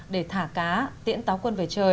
để thả cá tiễn táo quân về trời